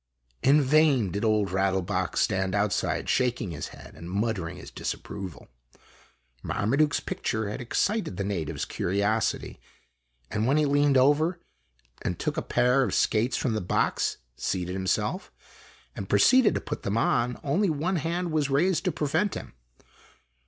In vain did "Old Rattle box" stand outside shaking his head and muttering his disapproval. Marmaduke's picture had excited the natives' curiosity, and when he leaned over and took a pair of skates from the box, seated himself, and proceeded to put them on, only one hand was raised to prevent him.